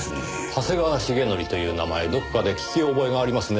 長谷川重徳という名前どこかで聞き覚えがありますねぇ。